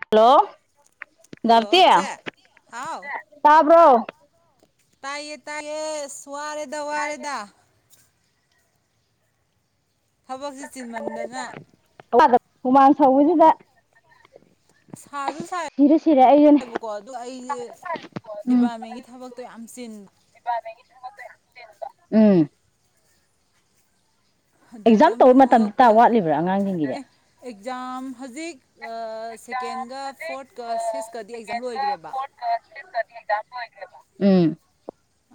Hello hello ꯆꯦ ꯍꯥꯎ ꯇꯕ꯭ꯔꯣ ꯇꯥꯏꯌꯦ ꯇꯥꯏꯌꯦꯁ ꯋꯥꯔꯦꯗ ꯋꯥꯔꯦꯗ ꯊꯕꯛꯁꯦ ꯆꯤꯟꯃꯟꯗꯅ ꯍꯨꯃꯥꯡ ꯁꯧꯕꯁꯤꯗ ꯁꯥꯗꯣ ꯁꯤꯔꯦ ꯁꯤꯔꯦ ꯑꯩꯁꯨꯅꯦ ꯁꯥꯕꯀꯣ ꯑꯗꯨꯗ ꯑꯩꯁꯦ ꯎꯝ ꯗꯤꯄꯥꯔꯠꯃꯦꯟꯒꯤ ꯊꯕꯛꯇꯣ ꯌꯥꯝ ꯆꯤꯟꯕ ꯎꯝ ꯑꯗ ꯑꯦꯛꯖꯥꯝ ꯑꯗꯨꯝ ꯇꯧꯕ ꯃꯇꯝꯗꯤ ꯊꯣꯛꯂꯛꯄ ꯇꯥ ꯋꯥꯠꯂꯤꯕ꯭ꯔꯥ ꯑꯦ ꯑꯉꯥꯡꯁꯤꯡꯒꯤꯗꯤ ꯑꯦꯛꯖꯥꯝ ꯍꯧꯖꯤꯛ ꯁꯦꯀꯦꯟꯒ ꯐꯣꯔꯠꯀ ꯁꯤꯛꯁꯀꯗꯤ ꯑꯦꯛꯖꯥꯝ ꯂꯣꯏꯈ꯭ꯔꯦꯕ ꯎꯝ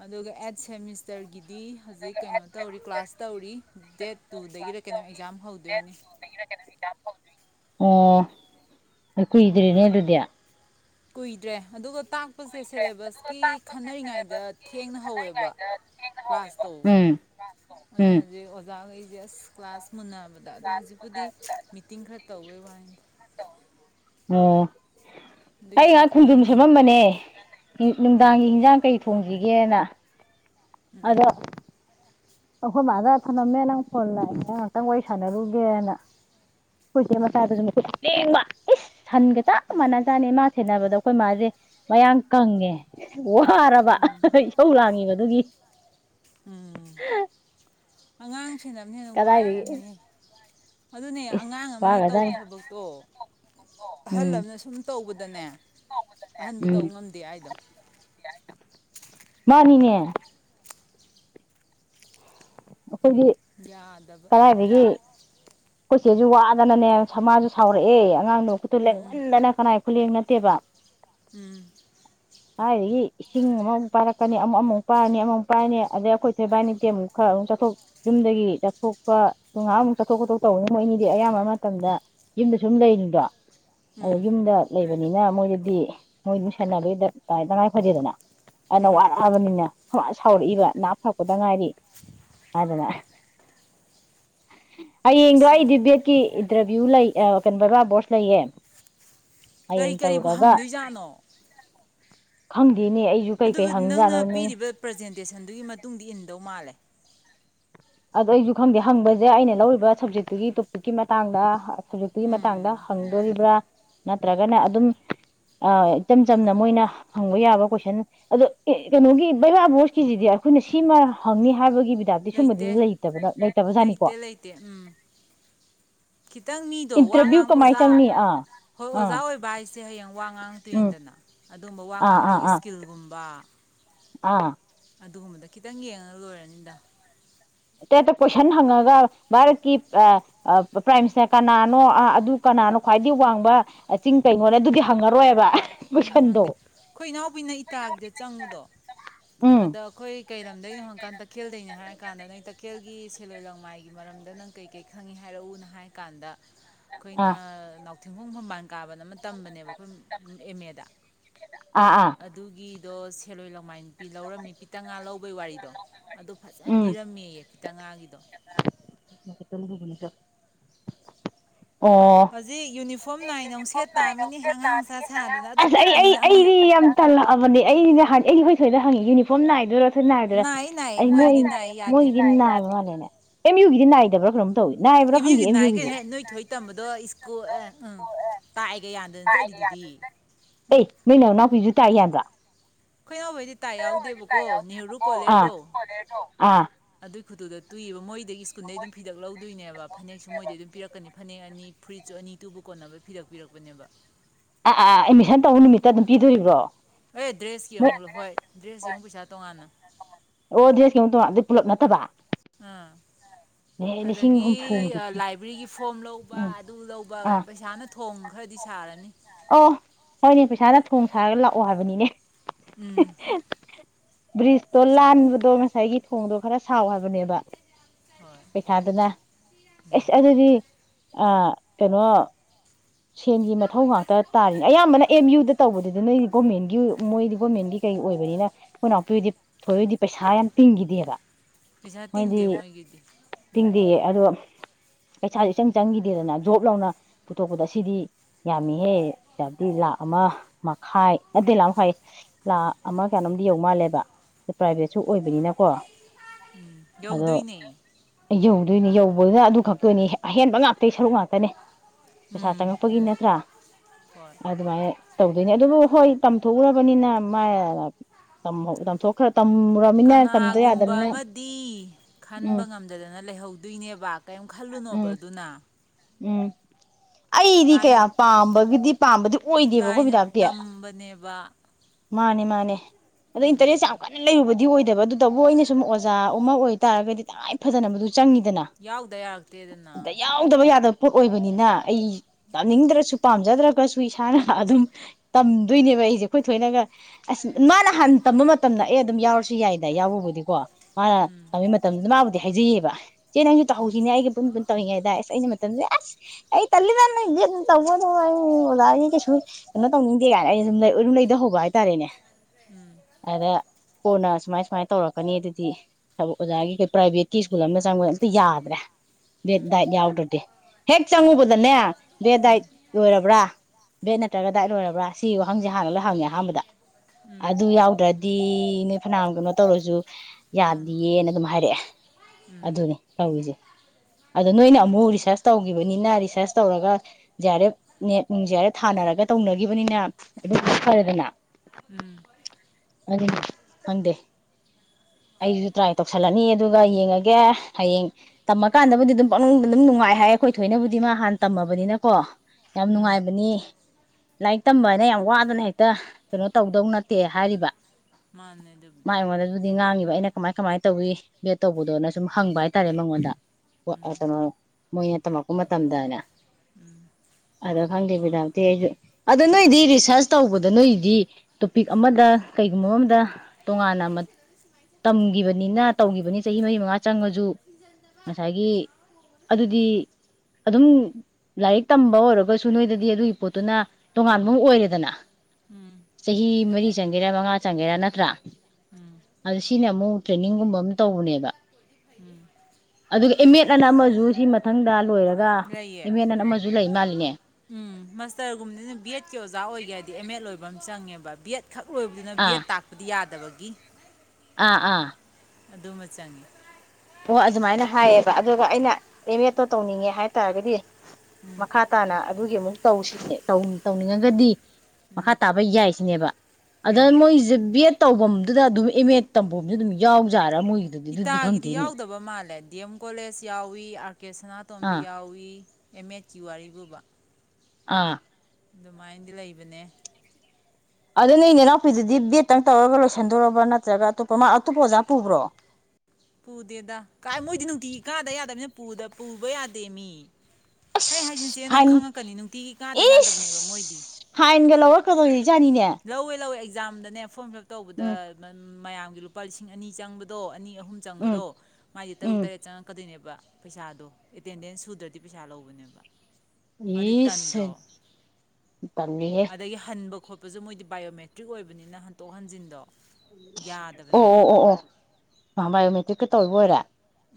ꯑꯗꯨꯒ ꯑꯩꯠ ꯁꯦꯃꯤꯁꯇꯔꯒꯤꯗꯤ ꯍꯧꯖꯤꯛ ꯀꯩꯅꯣ ꯇꯧꯔꯤ ꯀ꯭ꯂꯥꯁ ꯇꯧꯔꯤ ꯗꯦꯠ ꯇꯨꯗꯒꯤꯔ ꯀꯩꯅꯣ ꯑꯦꯛꯖꯥꯝ ꯍꯧꯗꯣꯏꯅꯤ ꯑꯣ ꯑꯩ ꯀꯨꯏꯗ꯭ꯔꯤꯅꯦ ꯑꯗꯨꯗꯤ ꯀꯨꯏꯗ꯭ꯔꯦ ꯑꯗꯨꯒ ꯇ ꯇꯛꯄꯁꯦ ꯁꯦꯂꯦꯕꯁꯀꯤ ꯈꯟꯅꯔꯤꯉꯩꯗ ꯊꯦꯡꯅ ꯍꯧꯋꯦꯕ ꯀ꯭ꯂꯥꯁꯇꯧ ꯎꯝ ꯑꯗꯨꯅ ꯎꯝ ꯍꯧꯖꯤꯛ ꯑꯣꯖꯥꯈꯩ ꯌꯦꯁ ꯀ꯭ꯂꯥꯁ ꯃꯅꯥꯕ ꯁꯥꯠꯃ ꯇꯧꯕꯩ ꯋꯥꯅꯤꯗ ꯑꯣ ꯑꯗꯨꯒꯤ ꯑꯩ ꯁꯨꯝ ꯉꯥꯏꯍꯥꯛ ꯈꯟꯅ ꯈꯣꯡꯗ꯭ꯔꯨꯝ ꯅꯩꯅꯕ ꯁꯦꯝꯃꯝꯕꯅꯦ ꯎꯝ ꯅꯨꯡꯗꯥꯡꯒꯤ ꯍꯤꯟꯖꯥꯡ ꯀꯩ ꯊꯣꯡꯁꯤꯒꯦ [inaudible] [inaudible] ꯑꯗꯣ ꯎꯝ ꯑꯩꯈꯣꯏ ꯃꯥꯗ ꯊꯝꯂꯝꯝꯃꯦ ꯅꯪ ꯐꯣꯟꯜ ꯂꯥꯛꯑꯦ ꯉ ꯉꯍꯥꯛꯇꯪ ꯋꯥꯔꯤ ꯁꯥꯟꯅꯔꯨꯒꯦꯅ ꯑꯩꯈꯣꯏ ꯆꯦ ꯃꯆꯥꯗꯁꯨ ꯃꯈꯨꯠ [inaudible] ꯁꯟꯒ ꯆꯞ ꯃꯥꯟꯅꯖꯅꯤ ꯃꯥ ꯁꯦꯟꯅꯕꯗ ꯑꯩꯈꯣꯏ ꯃꯥꯁꯦ ꯃꯌꯥꯡ ꯀꯪꯉꯦ ꯋꯥꯔꯕ ꯎꯝ ꯏꯁꯧ ꯂꯥꯡꯉꯤꯕ ꯑꯗꯨꯒꯤ ꯎꯝ ꯑꯉꯥꯡ ꯁꯦꯟꯅꯕꯅ ꯍꯦꯟꯅ ꯋꯥꯏ ꯀꯗꯥꯏꯗꯒꯤ ꯍꯥꯏꯕꯅꯤ ꯑꯗꯨꯅꯦ ꯏꯁ ꯑꯉꯥꯡ ꯑꯃꯅ ꯇꯧꯕ ꯋꯥꯒ꯭ꯔꯖꯥꯠꯅꯤ ꯊꯕꯛꯇꯣ ꯎꯝ ꯑꯍꯜꯅ ꯁꯨꯝ ꯇꯧꯕꯗꯅꯦ ꯑꯍꯟꯕ ꯎꯝ ꯇꯧ ꯉꯝꯗꯦ ꯍꯥꯏꯗꯣ ꯃꯥꯅꯤꯅꯦ ꯑꯩꯈꯣꯏꯗꯤ ꯌꯥꯗꯕ ꯀꯔꯥꯏꯗꯒꯤ ꯑꯩꯈꯣꯏꯆꯦꯁꯨ ꯋꯥꯗꯅꯅꯦ ꯃꯥꯁꯨ ꯁꯥꯎꯔꯛꯑꯦ ꯑꯉꯥꯡꯗꯣ ꯈꯨꯜꯇꯣ ꯎꯝ ꯂꯦꯡꯃꯟꯗꯅ ꯀꯅꯥꯏ ꯈꯨꯂꯦꯡ ꯇꯦꯕ ꯎꯝ ꯀꯥꯢꯗꯒꯤ ꯏꯁꯤꯡ ꯑꯃꯃꯨꯛ ꯄꯥꯏꯔꯛꯀꯅꯤ ꯑꯃꯨꯛ ꯑꯃꯃꯨꯛ ꯄꯥꯏꯔꯅꯤ ꯑꯃꯃꯨꯛ ꯄꯔꯅꯤ ꯑꯗꯩ ꯑꯩꯈꯣꯏ ꯊꯣꯏ ꯏꯕꯥꯏꯅꯤꯁꯦꯃꯨꯛ ꯈꯔ ꯑꯃꯨꯛ ꯊꯣꯛ ꯌꯨꯝꯗꯒꯤ ꯆꯠꯊꯣꯛꯄ ꯉ ꯉꯍꯥ ꯑꯃꯨꯛ ꯆꯠꯊꯣꯛ ꯈꯣꯠꯇꯣꯛ ꯇꯧꯕꯅꯤ ꯃꯣꯏ ꯑꯅꯤꯗꯤ ꯑꯌꯥꯝꯕ ꯃꯇꯝꯗ ꯌꯨꯝꯗ ꯁꯨꯝ ꯂꯩꯅꯤꯗꯣ ꯑ ꯎꯝ ꯌꯨꯝꯗ ꯂꯩ ꯑꯣꯏꯕꯅꯤꯅ ꯃꯣꯏꯗꯗꯤ ꯃꯣꯏ ꯗꯨꯝꯁꯦꯟꯅꯕ ꯇꯉꯥꯏ ꯐꯗꯦꯗꯅ ꯑꯅ ꯎꯝ ꯋꯥꯠꯔꯛꯑꯕꯅꯤꯅ ꯁꯥꯎꯔꯛꯏꯕ ꯅꯥ ꯐꯔꯛꯄꯗ ꯉꯥꯏꯔꯤ ꯍꯥꯏꯗꯅ ꯍꯌꯦꯡꯗꯣ ꯁꯤꯌꯥ ꯑꯩ ꯗꯤ ꯕꯦꯠꯀꯤ ꯟꯇꯚꯌꯨ ꯂꯩ ꯀꯩ ꯕꯩꯕꯥ [unintelligible] ꯂꯩꯌꯦ ꯍꯌꯦꯡ ꯀꯔꯤ ꯀꯔꯤꯕꯨ ꯍꯪꯗꯣꯏꯖꯥꯠꯅꯣ ꯈꯪ ꯑꯗꯨꯕꯨꯗꯤ ꯅꯪꯅ ꯄꯤꯔꯤꯕ ꯄ꯭ꯔꯖꯦꯟꯇꯦꯁꯟꯗꯨꯒꯤ ꯃꯇꯨꯡ ꯏ ꯗꯧ ꯃꯥꯜꯂꯦ ꯑꯗꯣ ꯑꯩꯁꯨ ꯈꯪꯗꯦ ꯍꯪꯕꯁꯦ ꯑꯩꯅ ꯂꯧꯔꯤꯕ ꯁꯞꯖꯦꯛꯇꯨꯒꯤ ꯇꯣꯄꯤꯛꯀꯤ ꯃꯇꯥꯡꯗ ꯁꯕꯖꯦꯛꯇꯨꯒꯤ ꯃꯇꯥꯡꯗ ꯎꯝ ꯍꯪꯉ ꯗꯣꯔꯤꯕꯔꯥ ꯅꯠꯇ꯭ꯔꯒꯅ ꯑꯗꯨꯝ ꯏꯆꯝ ꯆꯝꯅ ꯃꯣꯏꯅ ꯍꯪꯕ ꯌꯥꯕ ꯀꯣꯏꯁꯟ ꯑꯗꯣ ꯀꯩꯅꯣꯒꯤ ꯕꯩꯔꯥ ꯕꯣꯁꯀꯤꯁꯤꯗꯤ ꯑꯩꯈꯣꯏꯅ ꯁꯤꯃ ꯍꯪꯅꯤ ꯍꯥꯏꯕꯒꯤ ꯁꯨꯝꯕꯗꯤ ꯇꯦ ꯂꯩꯇꯕ ꯂꯩꯇꯕꯖꯥꯠꯅꯤꯀꯣ ꯂꯩꯇꯦ ꯂꯩꯇꯦ ꯎꯝ ꯈꯤꯇꯪ ꯃꯤ ꯗꯣ ꯋꯥ ꯏꯟꯇꯔꯚꯤꯌꯨ ꯉꯥꯡ ꯀꯃꯥꯏ ꯑꯣꯖꯥ ꯆꯪꯅꯤ ꯑꯥ ꯍꯣꯏ ꯑꯥ ꯑꯣꯖꯥ ꯑꯣꯏꯕ ꯍꯥꯏꯁꯦ ꯍꯌꯦꯡ ꯋꯥ ꯉꯥꯡ ꯎꯝ ꯇꯨꯏꯗꯅ ꯑꯗꯨꯒꯨꯝꯕ ꯋꯥ ꯑꯥ ꯑꯥ ꯉꯥꯡꯕꯒꯤ ꯑꯥ ꯏꯁꯀꯤꯜꯒꯨꯝꯕ ꯑꯥ ꯑꯗꯨꯒꯨꯝꯕꯗ ꯈꯤꯇꯪ ꯌꯦꯡꯉꯒ ꯂꯣꯏꯔꯅꯤꯗ ꯀꯣꯏꯁꯟ ꯍꯪꯉꯒ ꯚꯥꯔꯠꯀꯤ ꯄ꯭ꯔꯥꯏꯝ ꯃꯤꯅꯤꯁꯇꯔ ꯀꯅꯥꯅꯣ ꯑꯗꯨ ꯀꯅꯥꯅꯣ ꯈ꯭ꯋꯥꯏꯗꯒꯤ ꯋꯥꯡꯕ ꯆꯤꯡ ꯀꯩꯅꯣ ꯑꯗꯨꯒꯤ ꯍꯪꯉꯔꯣꯏꯕ ꯎꯝ ꯀꯣꯏꯁꯟꯗꯣ ꯍꯪꯗꯦ ꯑꯩꯈꯣꯏ ꯏꯅꯥꯎꯄꯤꯅ ꯏꯇꯥꯒꯤꯗ ꯆꯪꯉꯨꯗꯣ ꯎꯝ ꯑꯗ ꯑꯩꯈꯣꯏ ꯀꯩ ꯂꯝꯝꯗꯏꯅꯣ ꯍꯪꯀꯥꯟꯗ ꯇꯈꯦꯜꯗꯩꯅ ꯍꯥꯏꯔ ꯀꯥꯟꯗ ꯅꯪ ꯇꯈꯦꯜꯒꯤ ꯈꯦꯜꯂꯣꯏ ꯂꯣꯡꯃꯥꯏꯒꯤ ꯃꯔꯝꯗ ꯅꯪ ꯀꯩꯀꯩ ꯈꯪꯉꯤ ꯍꯥꯏꯔꯛꯎꯅ ꯍꯥꯏ ꯀꯥꯟꯗ ꯑꯩꯈꯣꯏꯅ ꯑꯥ ꯊꯦꯡꯈꯣꯡ ꯐꯝꯕꯥꯜ ꯀꯥꯕꯗ ꯇꯝꯕꯅꯦꯕ ꯑꯩꯈꯣꯏ ꯑꯦꯝ ꯃꯦꯗ ꯑꯥ ꯑꯥ ꯑꯗꯨꯒꯤ ꯑꯗꯣ ꯁꯦꯜꯂꯣꯏ ꯂꯣꯡꯃꯥꯏ ꯅꯨꯄꯤ ꯂꯧꯔꯝꯃꯤ ꯄꯤꯇ ꯉꯥ ꯂꯧꯕꯩ ꯋꯥꯔꯤꯗꯣ ꯑꯗꯣ ꯐꯖꯟ ꯎꯝ ꯂꯤꯔꯝꯃꯦꯌꯦ ꯄꯤꯇ ꯉꯥꯒꯤꯗꯣ [inaudible] ꯑꯣ [inaudible] ꯍꯧꯖꯤꯛ ꯌꯨꯅꯤꯐꯣꯔꯝ ꯅꯥꯏꯅ ꯑꯃꯨꯛ ꯁꯦꯠ ꯇꯥꯃꯤꯅꯦ ꯑꯉꯥꯡ ꯃꯆꯥ ꯁꯥꯗꯅ ꯑꯗꯣ ꯑꯁ ꯑꯩ ꯄꯤꯛꯄꯅꯤꯅ ꯑꯉꯥꯡ ꯑꯩꯗꯤ ꯌꯥꯝ ꯇꯜꯂꯛꯑꯕꯅꯦ ꯑꯩꯗꯤ ꯍꯥꯏ ꯑꯩꯗꯤ ꯑꯩꯈꯣꯢ ꯊꯣꯏꯗ ꯍꯪꯉꯤ ꯌꯨꯅꯤꯐꯣꯝ ꯅꯥꯗꯣꯏꯔꯣ ꯅꯥꯗ꯭ꯔ ꯅꯥꯏꯌꯦ ꯅꯥꯏꯌꯦ ꯑꯩ ꯃꯣꯏ ꯃꯣꯏꯒꯤꯗꯤ ꯅꯥꯏ ꯌꯥꯗꯦ ꯃꯣꯏꯒꯤꯗꯤ ꯅꯥꯕ ꯃꯥꯜꯂꯦꯅꯦ ꯑꯦꯝ ꯌꯨꯒꯤꯗꯤ ꯅꯥꯏꯗꯕ꯭ꯔꯥ ꯀꯩꯅꯣꯝ ꯇꯧꯏ ꯅꯥꯏꯕ꯭ꯔꯥ ꯑꯦꯝ ꯈꯪꯗꯦ ꯌꯨꯒꯤ ꯅꯥꯏ ꯌꯨꯒꯤꯁꯨ ꯀꯩꯅꯣꯍꯦ ꯅꯣꯏ ꯊꯣꯏ ꯇꯝꯕꯗꯣ ꯏꯁꯀꯨꯜ ꯎꯝ ꯇꯥꯢꯒ [inaudible] ꯑꯦ ꯅꯣꯢ ꯅꯅꯥꯎꯄꯤꯖꯨ ꯇꯥꯢ ꯌꯥꯟꯕ꯭ꯔꯣ ꯈꯣꯏ ꯅꯥꯎꯕꯩꯗꯤ ꯇꯥꯢ ꯌꯥꯎꯗꯦꯕꯀꯣ ꯅꯦꯍꯔꯨ ꯑꯥ ꯑꯥ ꯀꯣꯂꯦꯔꯗꯣ ꯑꯥ ꯑꯗꯨꯏ ꯈꯨꯇꯨꯗ ꯇꯨꯏꯕ ꯃꯣꯏ ꯗꯒꯤ ꯁ꯭ꯀꯨꯟꯗꯩ ꯑꯗꯨꯝ ꯐꯤꯗꯛ ꯂꯧꯗꯣꯢꯅꯦꯕ ꯐꯅꯦꯛꯁꯨ ꯃꯣꯏꯗꯩ ꯑꯗꯨꯝ ꯄꯤꯔꯛꯀꯅꯤ ꯐꯅꯦꯛ ꯑꯅꯤ ꯐꯨꯔꯤꯠꯁꯨ ꯑꯅꯤ ꯇꯨꯕ ꯀꯣꯟꯅꯕꯩ ꯐꯤꯗꯛ ꯄꯤꯔꯛꯄꯅꯦꯕ ꯑꯥ ꯑꯥ ꯑꯦꯗꯃꯤꯁꯟ ꯇꯧꯕ ꯅꯨꯃꯤꯠꯇ ꯑꯗꯨꯝ ꯄꯤꯗꯣꯔꯤꯕ꯭ꯔꯣ ꯑꯦ ꯗ꯭ꯔꯦꯁꯀꯤ ꯃꯣꯏ ꯑꯃꯨꯛ ꯂꯧ ꯍꯣꯏ ꯗ꯭ꯔꯦꯁꯀꯤ ꯑꯃꯨꯛ ꯄꯩꯁꯥ ꯇꯣꯡꯉꯥꯟꯅ ꯑꯣ ꯗ꯭ꯔꯦꯁꯀꯤ ꯑꯃꯨꯛ ꯇꯣꯡꯉꯥꯟ ꯑꯗꯨ ꯄꯨꯂꯞ ꯅꯠꯇꯕꯥ ꯑꯝ ꯑꯗꯒꯤ ꯍꯨꯝꯐꯨꯃꯨꯛꯇꯤ ꯊꯤ ꯂꯥꯏꯕ꯭ꯔꯦꯔꯤꯒꯤ ꯐꯣꯝ ꯂꯧꯕ ꯎꯝ ꯑꯗꯨ ꯂꯧꯕ ꯑꯥ ꯀꯥꯏ ꯄꯩꯁꯥꯅ ꯊꯣꯡ ꯈꯔꯗꯤ ꯁꯥꯔꯅꯤ ꯑꯣ ꯍꯣꯏꯅꯦ ꯄꯩꯁꯥꯅ ꯊꯣꯡ ꯁꯥꯔꯒ ꯂꯥꯛꯑꯣ ꯍꯥꯏꯕꯅꯤꯅꯦ ꯎꯝ [inaudible] ꯕ꯭ꯔꯤꯁꯇꯣ ꯄꯩꯁꯥ ꯂꯟꯕꯗꯣ ꯉꯁꯥꯏꯒꯤ ꯊꯣꯡꯗꯣ ꯈꯔ ꯁꯥꯎ ꯍꯥꯏꯕꯅꯦꯕ ꯍꯣꯏ ꯄꯩꯁꯥꯗꯨꯅ ꯏꯁ ꯑꯗꯨꯗꯤ ꯑ ꯀꯩꯅꯣ ꯁꯦꯟꯒꯤ ꯃꯊꯧ ꯉꯥꯛꯇ ꯇꯥꯔꯦꯅꯦ ꯑꯌꯥꯝꯕꯅ ꯑꯦꯝ ꯌꯨꯗ ꯇꯧꯕꯅꯤꯗ ꯅꯣꯏꯗꯤ ꯒꯣꯔꯃꯦꯟꯒꯤ ꯃꯣꯏꯗꯤ ꯒꯣꯔꯃꯦꯟꯒꯤ ꯀꯩ ꯑꯣꯏꯕꯅꯤꯅ ꯈꯣꯏ ꯅꯥꯎꯕꯤꯍꯣꯏꯗꯤ ꯊꯣꯏꯅꯗꯤ ꯄꯩꯁꯥ ꯌꯥꯝ ꯇꯤꯡꯒꯤꯗꯦꯕ ꯄꯩꯁꯥ ꯃꯣꯏꯗꯤ ꯇꯤꯡꯗꯦ ꯃꯣꯏꯒꯤꯗꯤ ꯇꯤꯡꯗꯤꯌꯦ ꯑꯗꯣ ꯄꯩꯁꯥꯁꯨ ꯏꯆꯪ ꯆꯪꯒꯤꯗꯦꯗꯅ ꯖꯣꯕ ꯂꯥꯎꯅ ꯄꯨꯊꯣꯛꯄꯗ ꯁꯤꯗꯤ ꯌꯥꯝꯃꯤꯍꯦ ꯌꯥꯕꯗꯤ ꯂꯥꯈ ꯑꯃ ꯃꯈꯥꯏ ꯅꯠꯇꯦ ꯂꯥꯛ ꯑꯝ ꯃꯈꯥꯏ ꯑꯌꯦ ꯂꯥꯛ ꯑꯃ ꯀꯌꯥꯅꯣꯝꯗꯤ ꯌꯧ ꯃꯥꯜꯂꯦꯕ ꯄ꯭ꯔꯥꯏꯚꯦꯠꯁꯨ ꯑꯣꯏꯕꯅꯤꯅꯀꯣ ꯎꯝ ꯑꯗꯣ ꯌꯧꯗꯣꯏꯅꯦ ꯌꯧꯗꯣꯏꯅꯦ ꯌꯧꯕꯗꯨꯗ ꯑꯗꯨ ꯈꯛ ꯗꫭꯏꯅꯤ ꯑꯍꯦꯟꯕ ꯉꯥꯛꯇꯒꯤ ꯁꯔꯨꯛ ꯉꯥꯛꯇꯅꯦ ꯄꯩꯁꯥ ꯎꯝ ꯆꯪꯉꯛꯄꯒꯤ ꯅꯠꯇ꯭ꯔꯥ ꯍꯣꯏ ꯑꯗꯨꯃꯥꯏꯅ ꯇꯧꯗꯣꯏꯅꯦ ꯑꯗꯨꯕꯨ ꯍꯣꯏ ꯇꯝꯊꯣꯛꯎꯔꯕꯅꯤꯅ ꯃꯥꯏ ꯑ ꯇꯝꯍꯧ ꯇꯝꯊꯣꯛꯈ꯭ꯔ ꯇꯝꯃꯨꯔꯃꯤꯅ ꯇꯝꯗ ꯀꯅꯥꯒꯨꯝꯕ ꯌꯥꯗꯕꯅꯤꯅ ꯑꯃꯗꯤ ꯈꯟꯕ ꯎꯝ ꯉꯝꯗꯗꯅ ꯂꯩꯍꯧꯗꯣꯏꯅꯦꯕ ꯀꯩꯝ ꯈꯜꯂꯨꯅꯣꯕ ꯎꯝ ꯑꯗꯨꯅ ꯎꯝ ꯑꯩꯗꯤ ꯂꯥꯏꯅ ꯀꯌꯥ ꯄꯥꯝꯕꯒꯤꯗꯤ ꯄꯥꯝꯕꯗꯤ ꯑꯣꯏꯗꯦꯕꯀꯣ ꯂꯥꯏꯅ ꯕꯤꯗꯥꯄꯇꯤ ꯇꯝꯕꯅꯦꯕ ꯃꯥꯅꯦ ꯃꯥꯅꯦ ꯑꯗꯣ ꯏꯟꯇꯔꯦꯁ ꯌꯥꯝ ꯀꯟꯅ ꯂꯩꯔꯨꯕꯗꯤ ꯑꯣꯏꯗꯕ ꯑꯗꯨ ꯇꯧꯕ ꯑꯣꯏꯅ ꯁꯨꯝ ꯑꯣꯖꯥ ꯑꯃ ꯑꯣꯏꯇꯥꯥꯔꯒꯗꯤ ꯇꯉꯥꯏ ꯐꯗꯅ ꯃꯗꯨ ꯆꯪꯉꯤꯗꯅ ꯌꯥꯎꯗ ꯌꯥꯔꯛꯇꯦꯗꯅ ꯑꯗ ꯌꯥꯎꯗꯕ ꯌꯥ ꯅ ꯄꯣꯠ ꯑꯣꯏꯕꯅꯤꯅ ꯑꯩ ꯇꯝꯅꯤꯡꯗ꯭ꯔꯁꯨ ꯄꯥꯝꯖꯗ꯭ꯔꯒꯁꯨ ꯏꯁꯥꯅ ꯑꯗꯨꯝ ꯇꯝꯗꯣꯏꯅꯦꯕ ꯑꯩꯁꯦ ꯑꯈꯣꯏ ꯊꯣꯏꯅꯒ ꯑꯁ ꯃꯥꯅ ꯍꯥꯟꯅ ꯇꯝꯕ ꯃꯇꯝꯗ ꯑꯩ ꯑꯗꯨꯝ ꯌꯥꯎꯔꯁꯨ ꯌꯥꯏꯌꯦꯅ ꯑꯩ ꯌꯥꯎꯕꯕꯨꯗꯤꯀꯣ ꯃꯥꯅ ꯎꯝ ꯇꯝꯃꯤ ꯃꯇꯝꯗꯨ ꯃꯥ ꯗꯤ ꯍꯥꯏꯖꯩꯌꯦꯕ ꯆꯦ ꯅꯪꯖꯨ ꯇꯧꯍꯧꯖꯤꯅꯦ ꯑꯩꯒ ꯄꯨꯟ ꯄꯨꯟ ꯇꯩꯏꯉꯥꯏꯗ ꯏꯁ ꯑꯩꯅ ꯇꯝꯗꯨꯗ ꯑꯁ ꯑꯩ ꯇꯜꯂꯤ ꯗ ꯅꯪ ꯕꯦꯠ ꯅꯨꯡ ꯇꯧꯕꯒꯗꯣ [unintelligible] ꯑꯩ ꯀꯩꯁꯨ ꯀꯩꯅꯣ ꯇꯧꯅꯤꯡꯗꯦ ꯀꯥꯏꯅ ꯑꯩꯅ ꯎꯔꯨ ꯂꯩꯗꯍꯧꯕ ꯍꯥꯏꯇꯥꯔꯦꯅꯦ ꯎꯝ ꯑꯗ ꯀꯣꯟꯅ ꯁꯨꯃꯥꯏ ꯁꯨꯃꯥꯏꯅ ꯇꯧꯔꯛꯀꯅꯤ ꯗꯨꯗꯤ ꯊꯕꯛ ꯑꯣꯖꯥꯒꯤ ꯀꯩ ꯄ꯭ꯔꯥꯏꯚꯦꯠꯀꯤ ꯁ꯭ꯀꯨꯜ ꯑꯃꯗ ꯆꯪꯕꯗ ꯑꯝꯇ ꯌꯥꯗ꯭ꯔꯦ ꯕꯦꯠ ꯎꯝ ꯗꯥꯏꯠ ꯌꯥꯎꯗ꯭ꯔꯗꯤ ꯍꯦꯛ ꯆꯪꯉꯨꯕꯗꯅꯦ ꯕꯦꯠ ꯗꯥꯏꯠ ꯎꯝ ꯂꯣꯏꯔꯕ꯭ꯔꯥ ꯕꯦꯠ ꯅꯠꯇ꯭ꯔꯒ ꯗꯥꯏꯠ ꯂꯣꯏꯔꯕ꯭ꯔꯥ ꯁꯤꯒꯤ ꯋꯥꯍꯪ ꯑꯪꯁꯦ ꯍꯥꯟꯅ ꯂꯣꯏ ꯍꯪꯉꯦ ꯑꯍꯥꯟꯕꯗ ꯎꯝ ꯑꯗꯨ ꯌꯥꯎꯗ꯭ꯔꯗꯤ ꯅꯦ ꯐꯟꯌꯥꯝ ꯀꯩꯅꯣ ꯇꯧꯔꯁꯨ ꯃꯥꯅꯤ ꯌꯥꯗꯤꯌꯦꯅ ꯑꯗꯨꯝ ꯍꯥꯏꯔꯛꯑꯦ ꯎꯝ ꯑꯗꯨꯅꯤ ꯇꯧꯔꯤꯁꯦ ꯑꯗꯣ ꯅꯣꯏꯅ ꯑꯃꯨꯛ ꯔꯤꯁꯔꯁ ꯇꯧꯒꯤꯕꯅꯤꯅ ꯔꯤꯁꯔꯁ ꯇꯧꯔꯒ ꯖꯦ ꯑꯥꯔ ꯑꯦꯐ ꯅꯦꯠ ꯅꯨꯡ ꯖ ꯑꯥꯔ ꯑꯦꯐ ꯊꯥꯅꯔꯒ ꯇꯧꯅꯈꯤꯕꯅꯤꯅ ꯑꯗꯨꯅ ꯃꯨꯛ ꯐꯔꯦꯗꯅ ꯎꯝ ꯑꯗꯨꯅꯤ ꯈꯪꯗꯦ ꯑꯩꯁꯨ ꯇ꯭ꯔꯥꯏ ꯇꯧꯁꯜꯂꯅꯤ ꯑꯗꯨꯒ ꯌꯦꯡꯉꯒꯦ ꯍꯌꯦꯡ ꯇꯝꯃꯀꯥꯟꯗꯕꯨꯗꯤ ꯑꯗꯨꯝ ꯄꯪꯅꯨꯡꯗ ꯑꯗꯨꯝ ꯅꯨꯡꯉꯥꯏ ꯍꯥꯏ ꯑꯈꯣꯏ ꯊꯣꯏꯅꯕꯨꯗꯤ ꯃꯥ ꯍꯥꯟꯅ ꯇꯝꯃꯕꯅꯤꯅꯀꯣ ꯌꯥꯝ ꯎꯝ ꯅꯨꯡꯉꯥꯏꯕꯅꯤ ꯂꯥꯏꯛ ꯇꯝꯕ ꯑꯥꯏꯅ ꯌꯥꯝ ꯋꯥꯗꯅ ꯍꯦꯛꯇ ꯀꯩꯅꯣ ꯇꯧꯗꯧ ꯅꯠꯇꯦ ꯍꯥꯏꯔꯤꯕ ꯃꯥꯅꯦ ꯃꯥꯥ ꯑꯗꯨꯕꯨꯗꯤ ꯑꯩꯉꫭꯟꯗꯕꯨꯗꯤ ꯉꯥꯡꯉꯤ ꯑꯩꯅ ꯀꯃꯥꯏ ꯀꯃꯥꯏ ꯇꯧꯋꯤ ꯕꯦꯠ ꯇꯧꯕꯗꯣꯅ ꯁꯨꯝ ꯍꯪꯕ ꯍꯥꯏꯇꯥꯔꯦ ꯃꯉꯣꯟꯗ ꯑꯥ ꯀꯅꯣ ꯃꯣꯏꯅ ꯇꯝꯃꯛꯄ ꯃꯇꯝꯗꯅ ꯑꯗ ꯈꯪꯗꯦ ꯕꯤꯗꯥꯞꯇꯤ ꯑꯩꯖꯨ ꯑꯗꯣ ꯅꯣꯏꯗꯤ ꯔꯤꯁꯔꯁ ꯇꯧꯕꯗ ꯅꯣꯏꯗꯤ ꯇꯣꯄꯤꯛ ꯑꯃꯗ ꯀꯩꯒꯨꯝꯕ ꯑꯝꯗ ꯇꯣꯉꯥꯟꯅ ꯃꯠ ꯇꯝꯒꯤꯕꯅꯤꯅ ꯇꯧꯒꯤꯕꯅꯤ ꯆꯍꯤ ꯃꯔꯤ ꯃꯉꯥ ꯆꯪꯉꯖꯨ ꯉꯁꯥꯏꯒꯤ ꯑꯗꯨꯗꯤ ꯑꯗꯨꯝ ꯂꯥꯏꯔꯤꯛ ꯇꯝꯕ ꯑꯣꯏꯔꯒꯁꯨ ꯅꯣꯏꯗꯗꯤ ꯑꯗꯨꯒꯤ ꯄꯣꯠꯇꯨꯅ ꯇꯣꯉꯥꯟꯕꯝ ꯑꯣꯏꯔꯦꯗꯅ ꯎꯝ ꯆꯍꯤ ꯃꯔꯤ ꯆꯪ ꯒꯦꯔꯥ ꯃꯉꯥ ꯆꯪꯒꯦꯔꯥ ꯅꯠꯇ꯭ꯔꯥ ꯎꯝ ꯑꯗꯨ ꯁꯤꯅ ꯑꯃꯨꯛ ꯇ꯭ꯔꯦꯅꯤꯡꯒꯨꯝꯕꯝ ꯇꯧꯕꯅꯦꯕ ꯎꯝ ꯑꯗꯨꯒ ꯑꯦꯃꯦꯠ ꯑꯅ ꯑꯃꯖꯨ ꯁꯤ ꯃꯊꯪꯗ ꯂꯣꯏꯔꯛ ꯂꯩꯌꯦ ꯎꯝ ꯃꯥꯁꯇꯔꯒꯨꯝꯕꯅꯤ ꯕꯤ ꯑꯦꯗꯀꯤ ꯑꯣꯖꯥ ꯑꯣꯏꯒꯦ ꯍꯥꯏꯗꯤ ꯑꯦꯝ ꯃꯦꯗ ꯂꯣꯏ ꯕꯝ ꯆꯪꯉꯦꯕ ꯕꯤ ꯑꯦꯗ ꯈꯛ ꯂꯣꯏꯕꯗꯨꯅ ꯑꯥ ꯕꯦꯠ ꯇꯥꯛꯄꯗꯤ ꯌꯥꯠ ꯗꯕꯒꯤ ꯑꯥ ꯑꯥ ꯑꯗꯨꯃ ꯆꯪꯉꯤ ꯑꯣ ꯑꯗꯨꯃꯥꯏꯅ ꯍꯥꯏꯌꯦꯕ ꯑꯗꯨꯒ ꯑꯩꯅ ꯑꯦꯝ ꯃꯦꯠꯇꯣ ꯇꯧꯅꯤꯡꯉꯦ ꯍꯥꯏꯇꯥꯔꯒꯗꯤ ꯎꯝ ꯃꯈꯥ ꯇꯥꯅ ꯑꯠ ꯗꯨꯒꯤ ꯑꯃꯨꯛ ꯇꯧꯁꯤꯅꯦ ꯇꯧ ꯇꯧꯅꯤꯡꯉꯒꯗꯤ ꯃꯈꯥ ꯎꯝ ꯇꯥꯕ ꯌꯥꯏꯁꯤꯅꯦꯕ ꯑꯗ ꯎꯝ ꯃꯣꯏꯒꯤꯖꯦ ꯕꯤ ꯑꯦꯗ ꯇꯧꯕꯝꯗꯨꯗ ꯑꯗꯨꯝ ꯑꯦꯝ ꯑꯦꯗ ꯇꯝꯕꯣꯝ ꯖꯨ ꯗꯨꯝ ꯌꯥꯎꯖꯥꯔꯥ ꯃꯣꯏꯒꯤ ꯗꯨꯗꯤ ꯗꯨꯗꯤ ꯈꯪꯗꯅꯤ ꯗꯕ ꯃꯥꯜꯂꯦ ꯗꯤ ꯑꯦꯝ ꯀꯣꯂꯦꯖ ꯌꯥꯎꯋꯤ ꯑꯥꯔ ꯀꯦ ꯁꯅꯥꯇꯣꯝꯕꯤ ꯑꯥ ꯌꯥꯎꯋꯤ ꯑꯦꯝ ꯃꯦꯠ ꯀꯤ ꯋꯥꯔꯤꯕꯨꯕ ꯑꯥ ꯑꯗꯨꯃꯥꯏꯟꯗꯤ ꯂꯩꯕꯅꯦ ꯑꯗꯨꯅꯦꯅꯥꯎꯄꯤꯗꯨꯗꯤ ꯕꯦꯠꯇꯪ ꯇꯧꯔꯒ ꯂꯣꯏꯁꯤꯟꯗꯣꯔꯕ ꯅꯠꯇ꯭ꯔꯒ ꯑꯇꯣꯞꯄ ꯃꯥ ꯑꯇꯣꯞꯄ ꯑꯣꯖꯥ ꯄꯨꯕ꯭ꯔꯣ ꯄꯨꯗꯦꯗ ꯀꯥꯏ ꯃꯣꯏꯗꯤ ꯅꯨꯡꯇꯤ ꯀꯥꯗ ꯌꯥꯗꯝꯅꯤꯅ ꯄꯨꯕ ꯌꯥꯗꯦ ꯃꯤ ꯑꯩ ꯍꯥꯏꯖꯤꯟ ꯆꯦ ꯅꯪ ꯐꯥꯏꯟ ꯈꯪꯉꯛꯀꯅꯤ ꯅꯨꯡꯇꯤꯒꯤ ꯀꯥꯗ ꯏꯁ ꯌꯥꯗꯕꯅꯦꯕ ꯃꯣꯏꯗꯤ ꯐꯥꯏꯟꯒ ꯂꯧꯔꯛꯀꯗꯣꯔꯤꯖꯥꯠꯅꯤꯅꯦ ꯂꯧꯋꯦ ꯂꯧꯋꯦ ꯖꯥꯝꯗꯅꯦ ꯐꯣꯝꯐꯤꯂꯞ ꯇꯧꯕꯗ ꯎꯝ [unintelligible] ꯃꯌꯥꯝꯒꯤ ꯂꯨꯄꯥ ꯂꯤꯁꯤꯡ ꯑꯅꯤ ꯆꯪꯕꯗꯣ ꯑꯅꯤ ꯑꯍꯨꯝ ꯎꯝ ꯆꯪꯕꯗꯣ ꯃꯥꯏꯗꯤ ꯇꯔꯨꯛ ꯎꯝ ꯇꯔꯦꯠ ꯆꯪꯉꯛꯀꯗꯣꯏꯅꯦꯕ ꯄꯩꯁꯥꯗꯣ ꯑꯦꯇꯦꯟꯗꯦꯟꯁ ꯁꯨꯗ꯭ꯔꯗꯤ ꯄꯩꯁꯥ ꯂꯧꯕꯅꯦꯕ ꯑꯗꯨꯗꯤ ꯏꯁꯁꯦ ꯇꯟꯗ꯭ꯔꯣ ꯇꯝꯅꯤꯍꯦ ꯕꯨꯖꯨ ꯃꯣꯏꯗꯤ ꯕꯥꯏꯌꯣꯃꯦꯇ꯭ꯔꯤꯛ ꯑꯣꯏꯕꯅꯤꯅ ꯍꯟꯇꯣꯛ ꯍꯟꯖꯤꯟꯗꯣ ꯑꯣ ꯑꯣ ꯌꯥꯗꯕꯅꯦꯕ ꯑꯣ ꯑꯣ ꯃꯥ ꯕꯥꯢꯌꯣꯃꯦꯠ ꯇꯤꯛꯀ ꯇꯧꯏꯕꯣꯏꯔꯦ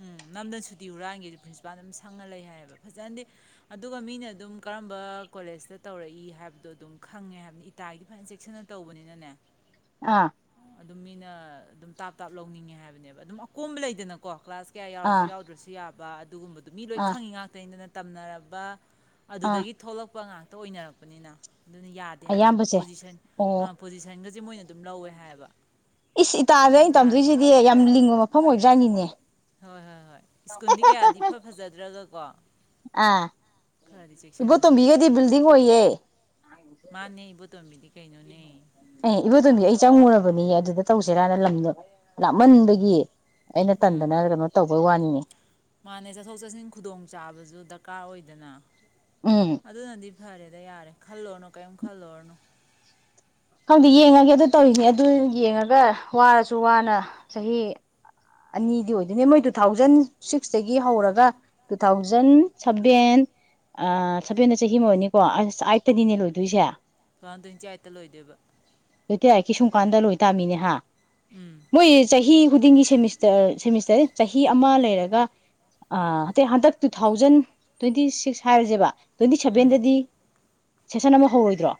ꯎꯝ ꯅꯝꯗ ꯁꯨꯇꯤ ꯍꯨꯔꯥꯟꯒꯦꯖꯨ ꯄ꯭ꯔꯤꯟꯁꯤꯄꯥꯟ ꯗꯨꯝ ꯁꯪꯉ ꯂꯩ ꯍꯥꯏꯌꯦꯕ ꯐꯖꯅꯗꯤ ꯑꯗꯨꯒ ꯃꯤꯅ ꯑꯗꯨꯝ ꯀꯔꯝꯕ ꯀꯣꯂꯦꯖꯇ ꯇꯧꯔꯛꯏ ꯍꯥꯏꯕꯗꯣ ꯑꯗꯨꯝ ꯈꯪꯉꯦ ꯍꯥꯏꯕꯅꯤ ꯏꯇꯥꯒꯤꯗꯤ ꯐꯖꯅ ꯆꯦꯛꯁꯤꯟꯅ ꯇꯧꯕꯅꯤꯅꯅꯦ ꯑꯥ ꯑꯗꯨꯝ ꯃꯤꯅ ꯑꯗꯨꯝ ꯇꯥꯞ ꯇꯥꯞ ꯂꯧꯅꯤꯡꯉꯦ ꯍꯥꯏꯕꯅꯦꯕ ꯑꯗꯨꯝ ꯑꯀꯣꯝꯕ ꯂꯩꯗꯅꯀꯣ ꯀ꯭ꯂꯥꯁ ꯀꯌꯥ ꯌꯥꯎꯁꯨ ꯑꯥ ꯌꯥꯎꯗ꯭ꯔꯁꯨ ꯌꯥꯕ ꯑꯗꯨꯒꯨꯝꯕ ꯃꯤ ꯂꯣꯏ ꯑꯥ ꯈꯪꯉꯤ ꯉꯥꯛꯇꯅꯤꯅ꯫ ꯇꯝꯅꯔꯕ ꯑꯥ ꯑꯗꯨꯗꯒꯤ ꯊꯣꯛꯂꯛꯄ ꯉꯥꯛꯇ ꯑꯣꯏꯅꯔꯛꯄꯅꯤꯅ ꯑꯗꯨꯅ ꯌꯥꯗꯦ ꯍꯥꯏꯕꯅꯦꯕ ꯑꯌꯥꯝꯕꯁꯦ ꯄꯣꯖꯤꯁꯟ ꯑꯣ ꯑꯥ ꯄꯣꯖꯤꯁꯟꯒꯁꯦ ꯃꯣꯏꯅ ꯑꯗꯨꯝ ꯂꯧꯋꯦ ꯍꯥꯏꯌꯦꯕ ꯏꯁ ꯏꯇꯥꯗ ꯃꯣꯏ ꯑꯩꯅ ꯏꯇꯥꯒꯤ꯫ ꯇꯝꯗꯣꯏꯁꯤꯗꯤ ꯌꯥꯝ ꯂꯤꯡꯕ ꯃꯐꯝ ꯑꯣꯏꯕꯖꯥꯠꯅꯤꯅꯦ ꯍꯣꯏ ꯍꯣꯏ ꯍꯣꯏ ꯁ꯭ꯀꯨꯜꯗꯤ ꯀꯌꯥꯗꯤ ꯏꯐꯥ ꯐꯖꯥꯗ꯭ꯔꯒ ꯀꯣ꯫ ꯑꯥ ꯏꯕꯣ ꯆꯦꯛꯁꯤꯟꯕꯅꯦꯕ ꯇꯣꯝꯕꯤꯒꯗꯤ ꯕꯤꯜꯗꯤꯡ ꯑꯣꯏꯌꯦ꯫ ꯃꯥꯅꯦ ꯏꯕꯨ ꯇꯣꯝꯕꯤꯗꯤ ꯑꯦ ꯏꯕꯣꯇꯣꯝꯕꯤ ꯑꯩ ꯆꯪꯉꯨꯔꯕꯅꯤ ꯑꯗꯨꯗ ꯇꯧꯁꯤꯔꯅ ꯂꯝꯗꯣ ꯂꯥꯞꯃꯟꯕꯒꯤ ꯑꯩꯅ ꯎꯝ ꯇꯟꯗꯅ ꯀꯩꯅꯣ ꯇꯧꯕꯩ ꯋꯥꯅꯤ ꯑꯣ ꯃꯥꯅꯦ ꯆꯠꯊꯣꯛ ꯆꯠꯁꯤꯟ ꯈꯨꯗꯣꯡ ꯆꯥꯕꯁꯨ ꯗꯔꯀꯥꯔ ꯑꯣꯏꯗꯅ ꯎꯝ ꯑꯗꯨꯅꯗꯤ ꯐꯔꯦꯗ ꯌꯥꯔꯦ ꯈꯜꯂꯨꯔꯅꯨ ꯀꯔꯤꯝ ꯈꯜꯂꯨꯔꯅꯣ ꯈꯪꯗꯤ ꯌꯦꯡꯉꯒꯦ ꯑꯗꯨ ꯇꯧꯔꯤꯅꯦ ꯑꯗꯨ ꯌꯦꯡꯉꯒ ꯋꯥꯔꯁꯨ ꯋꯥꯅ ꯆꯍꯤ ꯑꯅꯤꯗꯤ ꯑꯣꯏꯗꯣꯏꯅꯦ ꯃꯣꯏ ꯇꯨ ꯊꯥꯎꯖꯟ ꯁꯤꯛꯁꯇꯒꯤ ꯍꯧꯔꯒ ꯇꯨ ꯊꯥꯎꯖꯟ ꯁꯚꯦꯟ ꯑꯥ ꯁꯚꯦꯟꯗ ꯆꯍꯤ ꯑꯃꯅꯤꯀꯣ ꯑꯁ ꯑꯥꯏꯠꯇꯅꯤꯅꯦ ꯂꯣꯏꯗꯣꯏꯁꯦ꯫ ꯇꯨ ꯊꯥꯎꯖꯟ ꯇꯋꯦꯟꯇꯤ ꯑꯥꯏꯠꯇ ꯂꯣꯏꯗꯣꯏꯕ꯫ ꯇꯋꯦꯟꯇꯤ ꯑꯥꯏꯠꯀꯤ ꯁꯨꯝ ꯀꯥꯟꯗ ꯂꯣꯏ ꯇꯥꯝꯃꯤꯅꯦ ꯍꯥꯏ ꯎꯝ ꯃꯣꯏꯁꯦ ꯆꯍꯤ ꯈꯨꯗꯤꯡꯒꯤ ꯁꯦꯃꯤꯁꯇꯔꯥ꯫ ꯁꯦꯃꯤꯁꯇꯔ ꯆꯍꯤ ꯑꯃ ꯂꯩꯔꯒ ꯑ ꯍꯟꯗꯛ ꯇꯨ ꯊꯥꯎꯖꯟ ꯇ꯭ꯋꯦꯟꯇꯤ ꯁꯤꯛꯁ ꯍꯥꯏꯔꯁꯦꯕ ꯇꯋꯦꯟꯇꯤ ꯎꯝ ꯁꯚꯦꯟꯗꯗꯤ꯫ ꯁꯦꯁꯟ ꯑꯃ ꯍꯧꯔꯣꯏꯗ꯭ꯔꯣ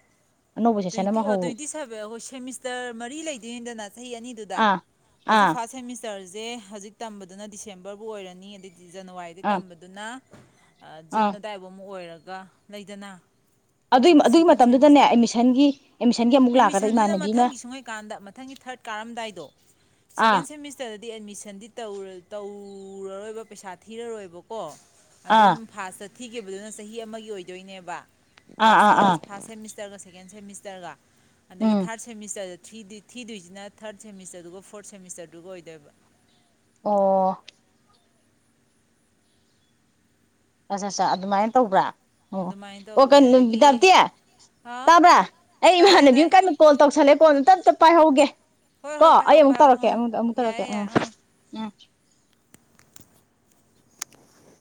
ꯑꯅꯧꯕ ꯁꯦꯁꯟ ꯇ꯭ꯋꯦꯟꯇꯤ ꯑꯃ ꯍꯧ ꯇ꯭ꯋꯦꯟꯇꯤ ꯁꯚꯦꯟ ꯑꯣ ꯁꯦꯃꯤꯁꯇꯔ ꯃꯔꯤ ꯂꯩꯗꯣꯏꯅꯤꯗꯅ ꯆꯍꯤ ꯑꯅꯤꯗꯨꯗ ꯑꯥ ꯍꯧꯖꯤꯛ ꯑꯥ ꯐꯥꯔ ꯁꯦꯃꯤꯁꯇꯔ ꯁꯦ ꯍꯧꯖꯤꯛ ꯇꯝꯕꯗꯨꯅ ꯗꯤꯁꯦꯝꯕꯔꯕꯨ ꯑꯣꯏꯔꯅꯤ ꯑꯗꯩ ꯖꯅꯋꯥꯔꯤꯗꯩ ꯑꯥ ꯇꯝꯕꯗꯨꯅ꯫ ꯖꯨꯟ ꯑꯥ ꯑꯗꯨꯗꯥꯏꯐꯧ ꯑꯃꯨꯛ ꯑꯣꯏꯔꯒ ꯒ ꯂꯩꯗꯅ꯫ ꯑꯗꯨ ꯑꯗꯨꯒꯤ ꯃꯇꯝꯗꯨꯗꯅꯦ ꯑꯦꯠꯃꯤꯁꯟꯒꯤ ꯑꯦꯠꯃꯤꯁꯟꯒꯤ ꯑꯃꯨꯛ ꯂꯥꯛꯀꯗ ꯑꯦꯠꯃꯤꯁꯟꯁꯤꯗ ꯏꯃꯥꯟꯅꯕꯤꯅ ꯃꯊꯪꯒꯤ ꯁꯨꯡꯍꯩꯀꯥꯟꯗ ꯃꯊꯪꯒꯤ ꯊꯥꯔꯠ ꯀꯥꯔꯝꯗꯥꯏꯗꯣ ꯑꯥ ꯁꯦꯀꯦꯟ ꯁꯦꯃꯤꯁꯇꯔꯗ ꯗꯤ ꯑꯦꯗꯃꯤꯁꯟꯗꯤ ꯇꯧꯔꯔꯣꯏꯕ ꯄꯩꯁꯥ ꯊꯤꯔꯔꯣꯏꯕꯀꯣ ꯑꯗꯨꯝ ꯑꯥ ꯐ ꯆ ꯊꯤꯈꯤꯕꯗꯨꯅ ꯆꯍꯤ ꯑꯃꯒꯤ ꯑꯣꯏꯗꯣꯏꯅꯦꯕ ꯑꯥ ꯐꯥꯁ ꯑꯥ ꯑꯥ ꯀꯁ ꯐꯥꯁ ꯍꯦ ꯃꯤꯁꯇꯔꯒꯁ ꯦ ꯎꯠꯇꯔꯒ ꯑꯗꯒꯤ ꯎꯝ ꯊꯥꯔꯠ ꯁꯦꯃꯤꯁꯇꯔꯗ ꯊꯔꯤ ꯊꯤꯗꯣꯏꯁꯤꯅ ꯊꯥꯔꯠ ꯁꯦꯃꯤꯁꯇꯔꯗꯨꯒ ꯐꯣꯔꯠ ꯁꯦꯃꯤꯁꯇꯔꯗꯨꯒ ꯑꯣꯏꯗꯣꯏꯕ ꯑꯣ ꯑ ꯑꯠ ꯑꯗꯨꯃꯥꯏꯅ ꯇꯧꯕ꯭ꯔꯥ ꯑꯣ ꯑꯗꯨꯃꯥꯏꯅ ꯑꯣ ꯇꯧꯕꯅꯦ ꯀꯩꯅꯣ ꯅꯨꯕꯤ ꯑꯗꯒꯤ ꯇꯞꯇꯦ ꯑꯥ ꯇꯥꯕ꯭ꯔꯥ ꯑꯩ ꯇꯥꯏꯌꯦ ꯏꯃꯥꯟꯅꯕꯤ ꯇꯥꯏꯌꯦ ꯑꯃ ꯀꯟꯅꯣ ꯀꯣꯜ ꯇꯧꯁꯜꯂꯦ ꯀꯣꯜ ꯄꯥꯏ ꯍꯒꯦ ꯍꯣꯏ ꯀꯣ ꯍꯣꯏ ꯑꯩ ꯄꯥꯏꯍꯧ ꯑꯃꯨꯛ ꯄꯥꯏꯍꯧ ꯇꯧꯔꯛꯀꯦ ꯎꯝ ꯑꯃꯨꯛ ꯑꯃꯨꯛ ꯇꯧꯔꯛꯀꯦ ꯌꯥꯏꯌꯦ ꯎꯝ ꯌꯥꯏ ꯎꯝ